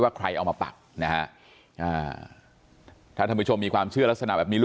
ใครเอามาปักนะฮะถ้าท่านผู้ชมมีความเชื่อลักษณะแบบนี้รู้